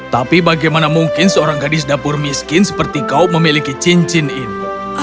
tapi bagaimana mungkin seorang gadis dapur miskin seperti kau memiliki cincin ini